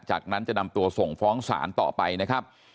จากนั้นจะนำตัวส่งฟ้องศาลต่อไปนะครับ